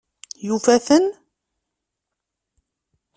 Yufa-ten?